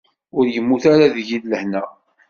Ur yemmut ara deg lehna.